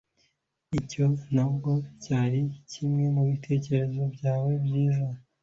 icyo ntabwo cyari kimwe mubitekerezo byawe byiza